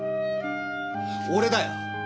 俺だよ。